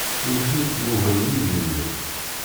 Yuki-d yemhem yigenni.